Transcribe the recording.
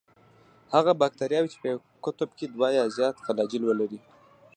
هغه باکتریاوې چې په یو قطب کې دوه یا زیات فلاجیل ولري.